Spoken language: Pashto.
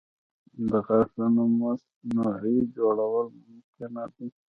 د غاښونو مصنوعي جوړول ممکنه دي.